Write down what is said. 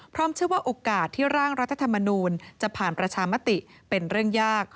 เชื่อว่าโอกาสที่ร่างรัฐธรรมนูลจะผ่านประชามติเป็นเรื่องยาก